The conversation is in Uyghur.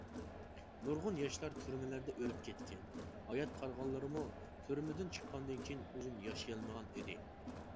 نۇرغۇن ياشلار تۈرمىلەردە ئۆلۈپ كەتكەن، ھايات قالغانلىرىمۇ تۈرمىدىن چىققاندىن كېيىن ئۇزۇن ياشىيالمىغان ئىدى.